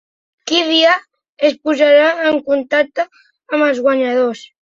Qui dia es posaran en contacte amb els guanyadors?